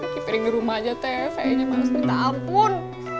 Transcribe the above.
kepering di rumah aja tv nya males minta ampun